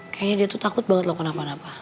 kayanya dia tuh takut banget lho kenapa napa